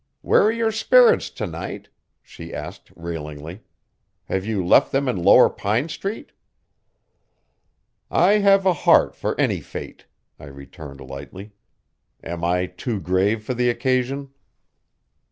"Where are your spirits to night?" she asked railingly. "Have you left them in lower Pine Street?" "I have a heart for any fate," I returned lightly. "Am I too grave for the occasion?"